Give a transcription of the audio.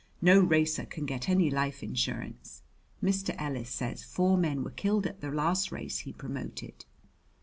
No racer can get any life insurance. Mr. Ellis says four men were killed at the last race he promoted."